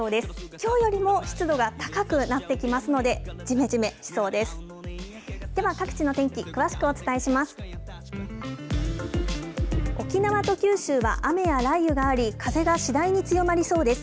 きょうよりも湿度が高くなってきますので、じめじめしそうです。